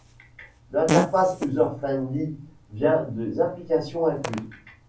L'interface user-friendly vient des applications incluses.